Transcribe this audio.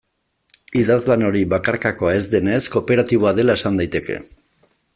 Idazlan hori, bakarkakoa ez denez, kooperatiboa dela esan daiteke.